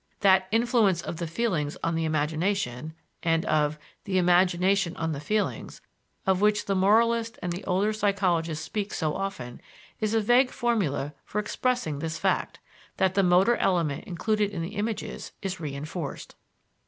That "influence of the feelings on the imagination" and of "the imagination on the feelings" of which the moralists and the older psychologists speak so often is a vague formula for expressing this fact that the motor element included in the images is reinforced.